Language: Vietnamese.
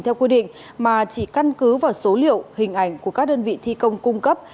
theo quy định mà chỉ căn cứ vào số liệu hình ảnh của các đơn vị thi công cung cấp